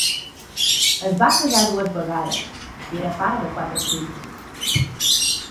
Es va casar dues vegades i era pare de quatre fills.